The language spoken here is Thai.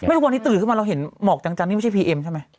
ทุกวันนี้ตื่นขึ้นมาเราเห็นหมอกจังนี่ไม่ใช่พีเอ็มใช่ไหม